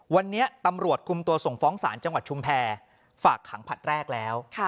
วันนี้ตำรวจคุมตัวส่งฟ้องศาลจังหวัดชุมแพรฝากขังผลัดแรกแล้ว